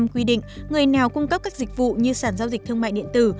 hai nghìn một mươi năm quy định người nào cung cấp các dịch vụ như sản giao dịch thương mại điện tử